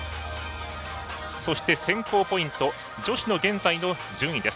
そして、選考ポイント女子の現在の順位です。